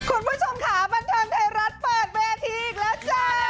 คุณผู้ชมขาบันทันเทรัฐเปิดเวทีอีกแล้วจ้า